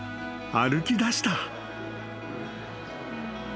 ［歩きだした］